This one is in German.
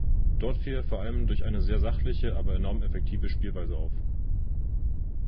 Dort fiel er vor allem durch eine sehr sachliche, aber enorm effektive Spielweise" auf.